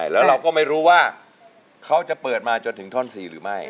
แล้วเราก็ไม่รู้ว่าเขาจะเปิดมาจนถึงท่อน๔หรือไม่